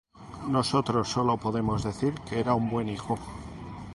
Nosotros sólo podemos decir que era un buen hijo.